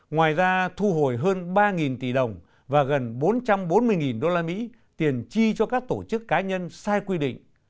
ngoài ra thu hồi hơn ba tỷ đồng và gần bốn trăm bốn mươi đô la mỹ tiền chi cho các tổ chức cá nhân sai quy định